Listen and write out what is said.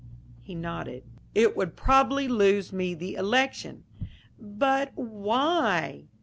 He nodded. "It would probably lose me the election." "But why?"